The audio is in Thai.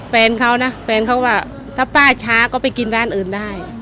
แฟนเขานะแฟนเขาว่าถ้าป้าช้าก็ไปกินร้านอื่นได้